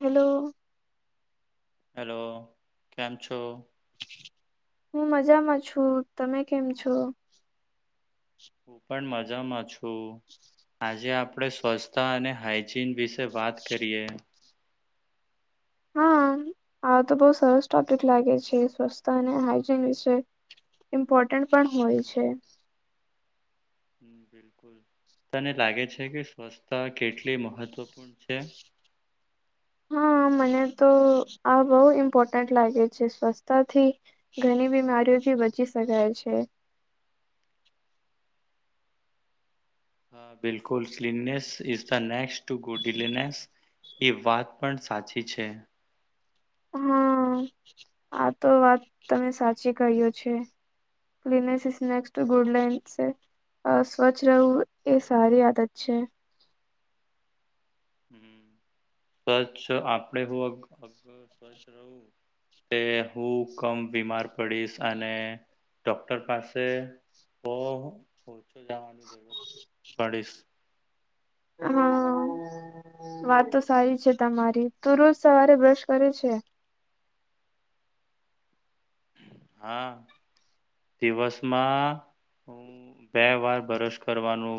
Hello. Hello કેમ છો. હું મજામાં છું તમે કેમ છો. હું પણ મજામાં છું આજે આપણે સ્વચ્છ તા અને હાઇજીન વિશે વાત કરીએ. હા આ તો બહ સરસ ટોપિક લાગે છે સ્વસ્થ અને હાઈજીન વિશે. ઇમ્પોર્ટન્ટ પણ હમ હોય છે. હમ્મ બિલકુલ તને લાગે છે કે સ્વસ્થતા કેટલી મહત્ત્વપૂર્ણ છે. હા મને તો આ બહુ ઇમ્પોર્ટન્ટ લાગે છે સ્વચ્છતાથી ઘણી બીમારીઓથી બચી શકાય છે. હ બિલકુલ cleanliness is the next to godliness. એ વાત પણ સાચી છે. હા આ તો વાત તમે સાચી કહ્યું છે. Cleanliness next to godliness એ. અ સ્વચ્છ રહેવું એ સારી આદત છે. હમ્મ સ્વચ્છ આપડે હું સ્વચ્છ [unintelligible] રહું. તે હું કમ બીમાર પડીશ અને ડોક્ટર પાસે ઓ ઓછો જવાની જરૂર પડીશ. હા. વાત તો સારી છે તમારી તું રોજ સવારે બ્રશ કરે છે. હા દિવસમાં હું બે વાર બ્રશ કરવાનો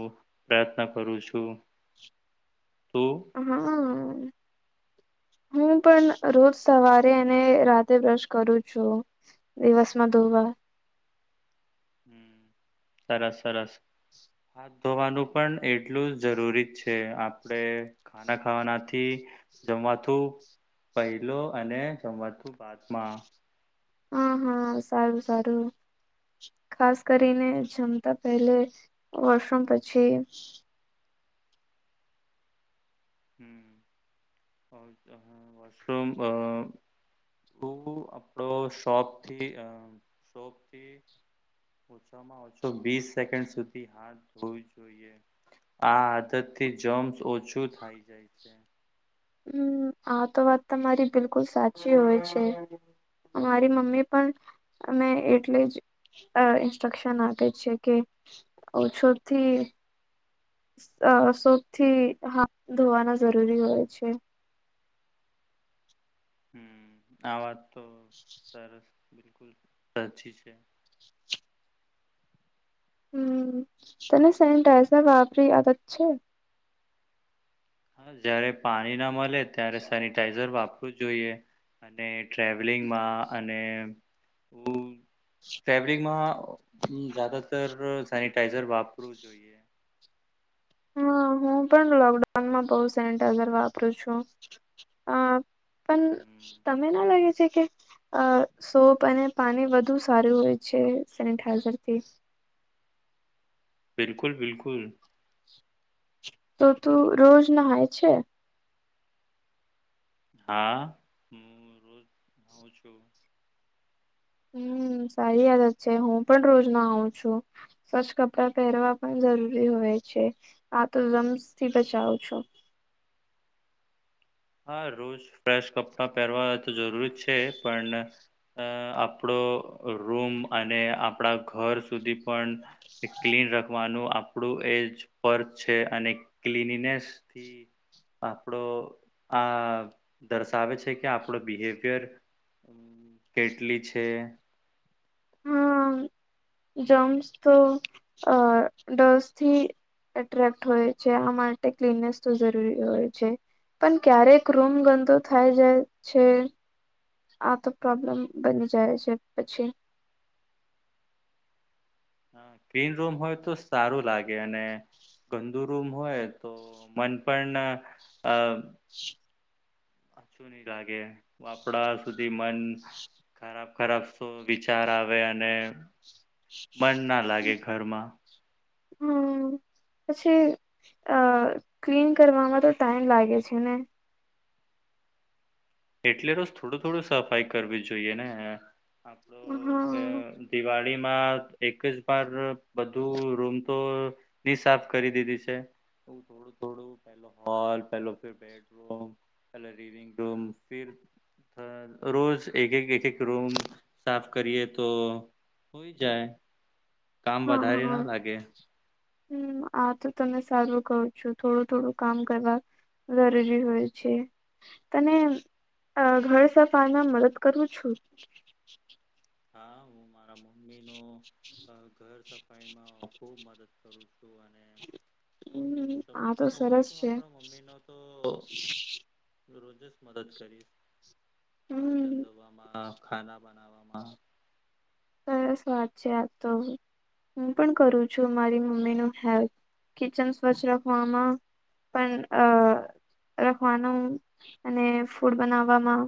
પ્રયત્ન કરું છું તું. હા. હું પણ રોજ સવારે અને રાતે બ્રશ કરું છું. દિવસ માં દો વાર. હમ્મ સરસ સરસ. હાથ ધોવાનું પણ એટલું જ જરૂરી છે આપડે ખાના ખાવાનાથી જમવા તું પહેલો અને સંવતું બાદમાં હા હા સારું સારું. ખાસ કરીને જમતા પહેલે વશરૂમ પછી. હમ્મ કારણ કે વોશરૂમ આ [unintelligible] આપડો શોપથી શોપથી ઓછામાં ઓછો વીસ સેકન્ડ સુધી હાથ ધોવી જોઈએ. આ આદત થી જમ્સ ઓછું થઈ જાય છે. હમ આતો વાત તમારી બિલકુલ સાચી હોય છે મારી મમ્મી પણ અમે એટલે જ અ ઇન્સ્ટ્રક્શન આપે છે કે ઓછોથી આ સૌથી હાથ ધોવાના જરૂરી હોય છે. હમ્મ આ વાત તો સરસ બિલકુલ સાચી છે. હમ તને સેનટાઈઝર વાપરી આદત છે હા જારે પાણી ના મળે ત્યારે સેનિટાઈઝર વાપરવું જ જોઈએ અને ટ્રાવલિંગમાં અને બ ફેબ્રિક માં જદાતર સેનિટાઈઝર વાપરવું જોઈએ હા હું પણ લોકડાઉનમાં બઉ સેનટાઈઝર વાપરું છું પણ હમ તને ના લાગે છે કે અ સોપ અને પાણી વધુ સારું હોય છે સેનિટાઈઝરથી બિલકુલ બિલકુલ તો તું રોજ નાાય છે હા હું રોજઉ છું હમ સારી વાયાદ જ છે હું પણ રોજમાં આવ છું સ્વચ્છ કપડાં પહેરવા પણ જરૂરી હોય છે આ તો રમ્સ થી બચાવું છો હા રોજ ફ્રેશ કપડાં પહેરવા તો જરૂરી છે પણ અ આપણો રૂમ અને આપણા ઘર સુધી પણ ક્લીન રખવાનું આપણું એજ પરર્થ છે અને ક્લીનીનેસથી આપણો આ દર્શાવે છે કે આપણો બિહેવિયર હમ કેટલી છે જોમસ તો અ ડસથી એટ્રેક્ટ હોય છે આ માટે ક્લીનનેસ તો જરૂરી હોય છે પણ ક્યારેક રૂમ ગંદો થાય જાય છે આ તો પ્રોબ્લેમ બની જાય છે પછી ક્રીન રૂમ હોય તો સારું લાગે અને ગંદુ રૂમ હોય તો મન પણ આ આછું નહી લાગે વાપડા સુધી મન ખરાબ ખરાબ શો વિચાર આવે અને મન ના લાગે ઘરમાં હમ પછી અ ક્લીન કરવામાં તો ટાઈમ લાગે છે ને એટલે રોજ થોડું થોડું સફાઈ કરવી જોઈએ ને આપડો હા દિવાળીમાં એક જ વાર બધું રૂમ તો ી સાફ કરી દીધી છે થોડું થોડું પેલો હોલ પે બેડરૂમ પે રીડિંગ રૂમ ફર રોજ એક એક એક એક રૂમ સાફ કરીએ તો હોય જાય કામ હા વધારે હા ના લાગે હમ આ તો તમે સારું કો છો થોડું થોડું કામ કરવા જરૂરી હોય છે તને ઘર સફાઈમાં મદદ કરું છું હા હું મારા મમ્મીનો ઘર સફાઈમાં ખૂબ મદદ કરું છું અને હમ આ હું સરસ તો છે. આપણો મમ્મી નો તો રોજ જ મદદ કરીશ ફર્ચન હમ દોવામાં ખાના બનાવવામાં સરસ વાત છે આતો હું પણ કરું છું મારી મમ્મી ન હેલ્થ કિચન સ્વચ્છ રાખવામાં પણ અ રખવાનું અને ફૂડ બનાવવામાં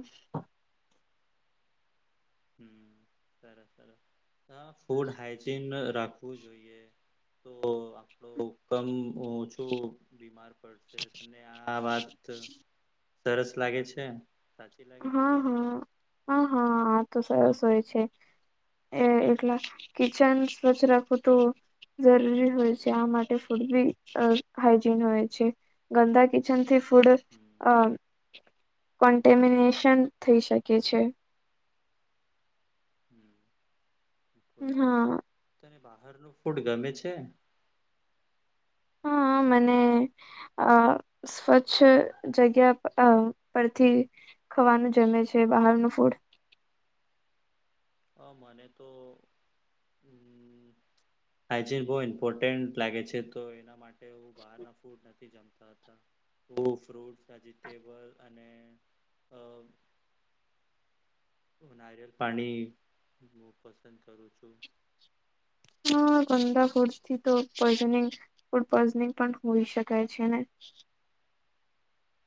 હ સરસ સરસ હ ફૂડ હાઇજીન રાખવું જોઈએ તો આપડો કમ ઓછું બીમાર તને આ વાત સરસ લાગે છે સાચી લાગે છે હા કે નહી હા હા હા આ તો સરસ હોય છે એ એટલા કિચન સ્વચ્છ રાખું તોું જરૂરી હોય છે આ માટે ફૂડ બી હાઈજીન હોય છે ગંદા કિચન થી ફૂડ હમ અ કોન્ટેમિનેશન થઈ શકે છે હમ બિલકુલ. હા તને બહાર નું ફૂડ ગમે છે હા મને અ સ્વચ્છ જગ્યા પરથી ખાવાનું જમે છે બહારનું ફૂડ હ મને તો હાજીન બહુ ઇમ્પોર્ટન્ટ લાગે છે તો એના માટે હું બહારના ફૂડ નથી જમતો ફ્રુટ વેજીિટેબલ અને તો નારિયલ પાણી હું પસંદ કરું છું હ ગંદા ફડ તો પઈજનિંગ ફૂડ પોઈઝનિંગ પણ હોઈ શકાય છે ને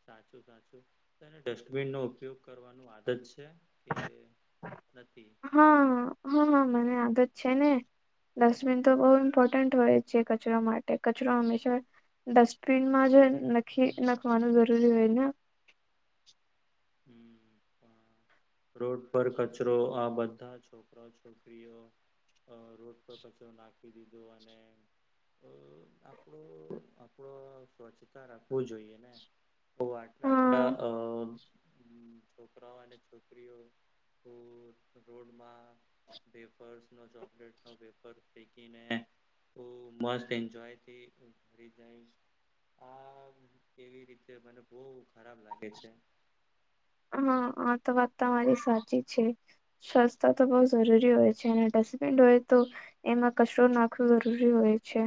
સાચું સાચું તેને ડસ્ટબિન નો ઉપયોગ કરવાનું આદત છે કે. નથી. હા હા હા મને આદ જ છે ને. ડસ્ટબિન તો બહુ ઇમ્પોર્ટન્ટ હોય છે કચરો માટે કચરો હંમેશા. ડસ્ટબિનમાં જે નખી નખવાનું જરૂરી હોય ને. હમ તો. રોડ પર કચરો આ બધા છોકરા છોકરીઓ રોડ પર કચરો. રાખી દીધું અને. અ આપણું આપડો સ્વચ્છતા રાખવું જોઈએ ને. તો આટલા હા આટલા અ છોકરાઓ અને. છોકરીઓ રોડમાં પેપર્સ. ચોકલેટ ન પેપર ફેકીને મસ્ત એન્જોયથી. આ કેવી રીતે મને બહ ખરાબ લાગે છે. હા આ તો વાત અરી સાચી છે. સ્વસ્તા તો બહ જરૂરી હોય છે અને ડસ્ટબિન હોય તો. એમાં કચરો નાખવો જરૂરી હોય છે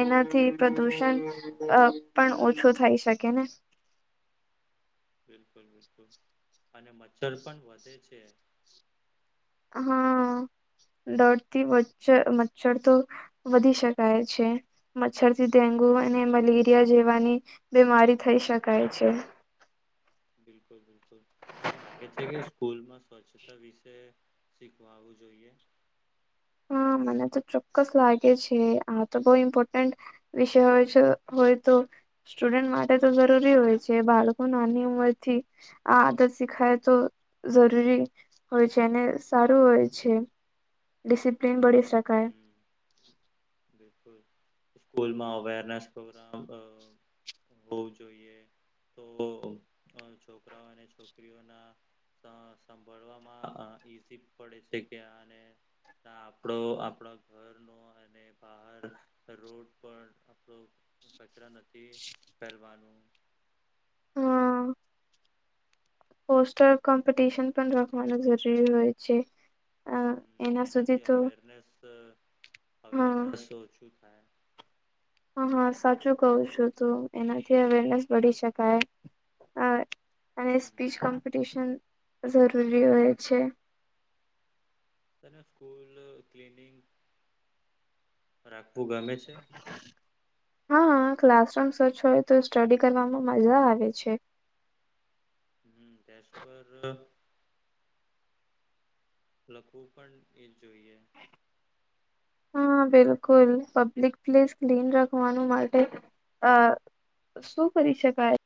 એનાથી. પ્રદૂષણ બિલકુલ બિલકુલ પણ ઓછું થઈ શકે ને. બિલકુલ બિલકુલ અને મચ્છર પણ વધે છે. હા. દોડથી્ચ મચ્છર તો વધી શકાય છે. મચ્છર થી ડેન્ગુ અને હમ મલેરિયા જેવાની બીમારી થઈ શકાય છે. બિલકુલ બિલકુલ. તને લાગે છે કે સ્કૂલમાં સ્વચ્છતા વિષ શીખવાવું જોઈએ. હા મને તો ચોક્કસ લાગે છે આ તો બહ ઇમ્પોર્ટન્ટ. વિષય હોય હોય તો. સ્ટુડન્ટ માટે તો જરૂરી હોય છે બાળકો નાની ઉંમરથી. આ આદત શીખાય તો જરૂરી હોય છે અને સારું હોય છે. ડિસિપ્લિન બડી શકાય હમ બિલકુલ સ્કૂલમાં અવેરનેસ પ્રોગ્રામ. હોવું જોઈએ તો છોકરાઓ અને છોકરીઓ. સાભળવામાં ઈઝી પડે છે કે. ત આપડો આપણા ઘર નો અને. બહાર રોડ પણ આપણો કચરા નથી ફેરવાનું. હમ. પોસ્ટર કોમ્પિટિશન પણ રખવાનું જરૂરી હોય છે. અ એના હ સુધી એનાથી તો અવેરનેસ હા અવેરનેસ ઓછું થાય. હ હા સાચું કહું છું તું એનાથી અવેરનેસ બડી શકાય હ. અને હમ સ્પીચ કોમ્પિટિશન જરૂરી હોય છે. તને સ્કૂલ ક્લીનિંગ. રાખવુ ગમે છે. હા ક્લાસરૂમ સ્વચ્છ હોય તો સ્ટડી કરવામાં મજા આવે છે. હમ્મ [unintelligible] પર. લખવું પણ એજ જોઈએ. હા બિલકુલ પબ્લિક પ્લેસ ક્લીન રાખવાનું માટે અ. શું કરી શકાય.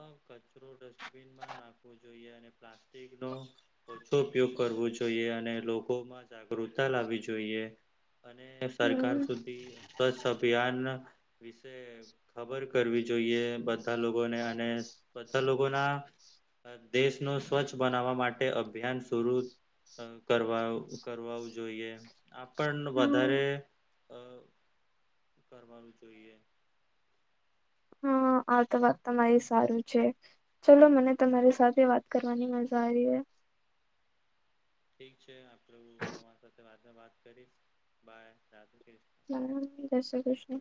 અ કચરો ડસ્ટબિનમાં નાખવો જોઈએ અને પ્લાસ્ટિક નો. ઓછો ઉપયોગ કરવો જોઈએ અને લોકોમાં જાગૃતતા લાવવી જોઈએ. અને સરકાર હમ સુધી સ્વચ્છ અભિયાન. વિશે ખબર કરવી જોઈએ બધા લોકોને. અને બધા લોકો ના. દેશનું સ્વચ્છ બનાવવા માટે અભિયાન સુરુ કરવા કરવાવું જોઈએ આપણ હમ વધારે અ કરવાનું જોઈએ હા આ તો વાત તમારી સારું છે ચલો મને તમારી સાથે વાત કરવાની મજા આવી ર હ ઠીક છે આપણે તમારી સાથે વાતને વાત કરીશ બાય [unintelligible] [unintelligible] જય શ્રી કૃષ્ણ